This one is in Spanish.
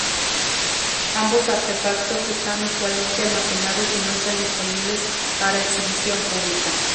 Ambos artefactos están actualmente almacenados y no están disponibles para exhibición pública.